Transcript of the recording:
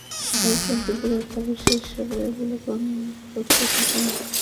এরপর দুপুরের খাবার শেষে সবাই অবলোকন করতে থাকেন দোভিল সমুদ্রসৈকতের প্রাকৃতিক নয়নাভিরাম।